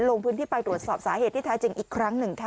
ลงพื้นที่ไปตรวจสอบสาเหตุที่แท้จริงอีกครั้งหนึ่งค่ะ